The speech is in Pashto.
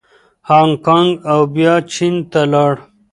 هانګکانګ او بیا چین ته لاړ.